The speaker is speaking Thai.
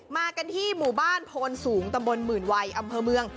มากันที่หมู่บ้านพ็นศูนย์ตะมนต์หมื่นวัยอำเภอเมือง